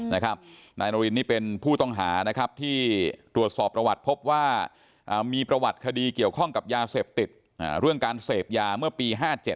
นายนารินนี่เป็นผู้ต้องหานะครับที่ตรวจสอบประวัติพบว่ามีประวัติคดีเกี่ยวข้องกับยาเสพติดเรื่องการเสพยาเมื่อปี๕๗